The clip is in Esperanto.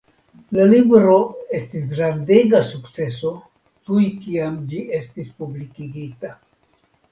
La libro estis grandega sukceso tuj kiam ĝi estis publikigita.